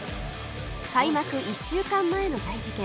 開幕１週間前の大事件